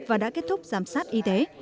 và đã kết thúc giám sát y tế